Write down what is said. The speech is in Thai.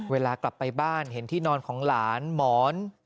เวลากลับไปบ้านเห็นที่นอนของหลานหมอน